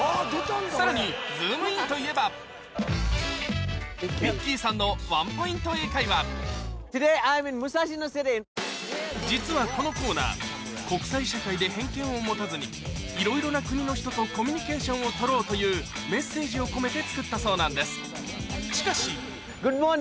さらに『ズームイン‼』といえば実はこのコーナー国際社会で偏見を持たずにいろいろな国の人とコミュニケーションを取ろうというメッセージを込めて作ったそうなんですしかしＧｏｏｄｍｏｒｎｉｎｇ！